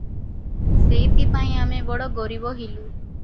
ସେଇଥିପାଇଁ ଆମେ ବଡ଼ ଗରିବ ହେଲୁଁ ।